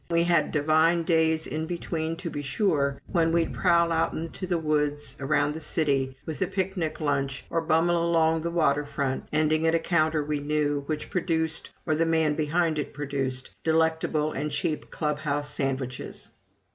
We had divine days in between, to be sure, when we'd prowl out into the woods around the city, with a picnic lunch, or bummel along the waterfront, ending at a counter we knew, which produced, or the man behind it produced, delectable and cheap clubhouse sandwiches.